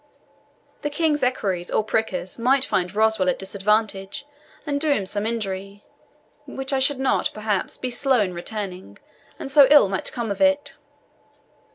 The King's equerries or prickers might find Roswal at disadvantage, and do him some injury, which I should not, perhaps, be slow in returning, and so ill might come of it.